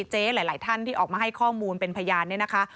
หลายท่านที่ออกมาให้ข้อมูลเป็นพยานเนี่ยนะคะ